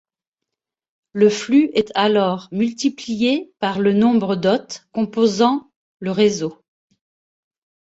Le flux est alors multiplié par le nombre d’hôtes composant le réseau.